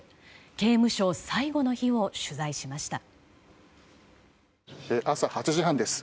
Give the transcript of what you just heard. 刑務所最後の日を取材しました。